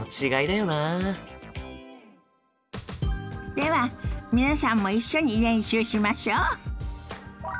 では皆さんも一緒に練習しましょ。